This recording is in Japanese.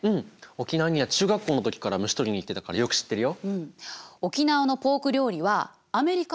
沖縄には中学校の時から虫捕りに行ってたからよく知ってるよ。